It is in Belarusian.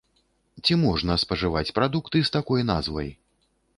Ці можна спажываць прадукты з такой назвай?